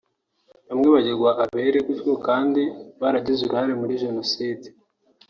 bamwe bagirwa abere gutyo kandi baragize uruhare muri Jenoside”